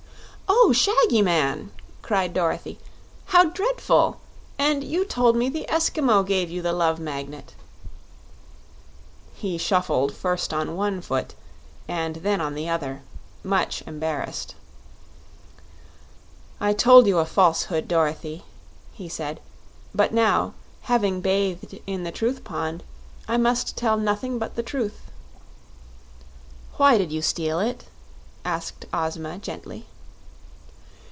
"Oh, Shaggy Man!" cried Dorothy. "How dreadful! And you told me the Eskimo gave you the Love Magnet." He shuffled first on one foot and then on the other, much embarrassed. "I told you a falsehood, Dorothy," he said; "but now, having bathed in the Truth Pond, I must tell nothing but the truth." "Why did you steal it?" asked Ozma, gently.